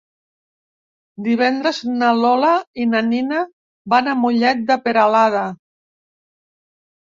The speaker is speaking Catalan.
Divendres na Lola i na Nina van a Mollet de Peralada.